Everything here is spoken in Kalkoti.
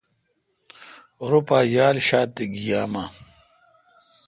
روتھ یال ݭات تے گیام۔